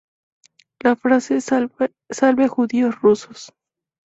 La frase "¡Salve a judíos rusos!